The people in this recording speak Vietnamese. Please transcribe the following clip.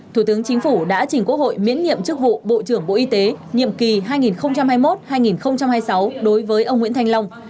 thủ tướng chính phủ đã trình quốc hội miễn nhiệm chức vụ bộ trưởng bộ y tế nhiệm kỳ hai nghìn hai mươi một hai nghìn hai mươi sáu đối với ông nguyễn thanh long